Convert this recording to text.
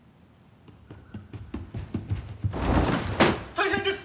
・大変です！